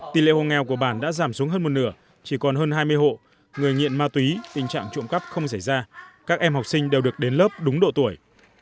tỷ lệ hồ nghèo của bản đã giảm xuống hơn một nửa chỉ còn hơn hai mươi hộ người nghiện ma túy tình trạng trộm cắp không xảy ra các em học sinh đều được đến lớp đúng độ tuổi